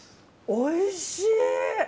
おいしい！